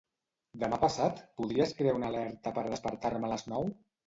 Demà passat podries crear una alerta per despertar-me a les nou?